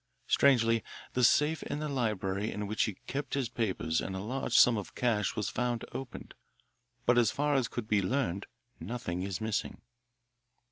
Strangely, the safe in the library in which he kept his papers and a large sum of cash was found opened, but as far as could be learned nothing is missing.